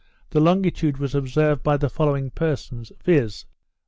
the longitude was observed by the following persons, viz.